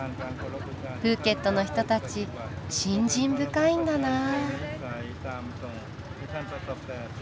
プーケットの人たち信心深いんだなあ。